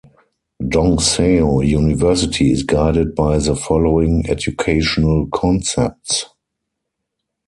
Dongseo University is guided by the following educational concepts.